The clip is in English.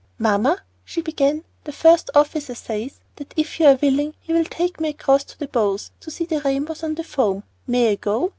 "Mamma," she began, "the first officer says that if you are willing he will take me across to the bows to see the rainbows on the foam. May I go?